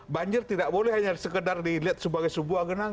banjir tidak boleh hanya sekedar dilihat sebagai sebuah genang